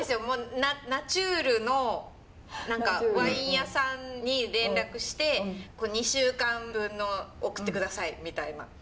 もうナチュールのワイン屋さんに連絡して２週間分の送って下さいみたいな。